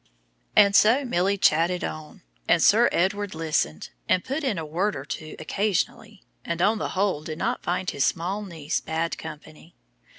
And so Milly chatted on, and Sir Edward listened, and put in a word or two occasionally, and on the whole did not find his small niece bad company.